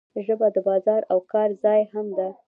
ژبه د بازار او کار ځای هم ده.